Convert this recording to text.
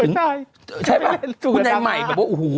เป็นการกระตุ้นการไหลเวียนของเลือด